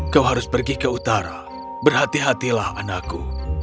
kau harus pergi ke utara berhati hatilah anakku